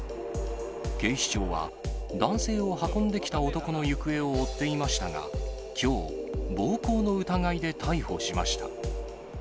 警視庁は、男性を運んできた男の行方を追っていましたが、きょう、暴行の疑いで逮捕しました。